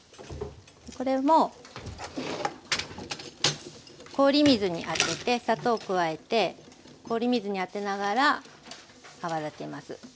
これも氷水に当てて砂糖を加えて氷水に当てながら泡立てます。